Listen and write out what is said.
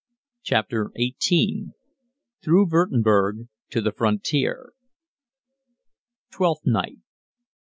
CHAPTER XVIII THROUGH WURTEMBERG TO THE FRONTIER _Twelfth night.